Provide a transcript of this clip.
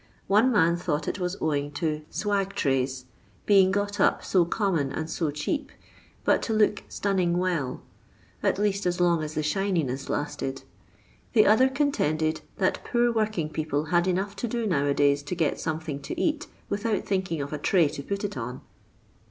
One man thought it was owing to "swag trays" being got up so common and so cheap, but to look " stunning well,", at least as long as the shininess lasted. The other contended that poor working people had enough to do now a days to get something to cat, without thinking of a tray to put it on.